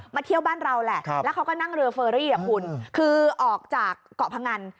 เที่ยวบ้านเราแหละแล้วเขาก็นั่งเรือเฟอรี่อ่ะคุณคือออกจากเกาะพงัน